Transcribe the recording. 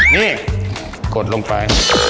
นี่กดลงไป